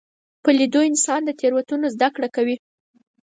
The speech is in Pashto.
په لیدلو انسان له تېروتنو زده کړه کوي